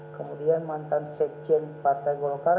kemudian mantan sekjen partai golkar